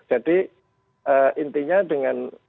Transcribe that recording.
jadi intinya dengan